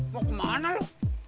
mau kemana lu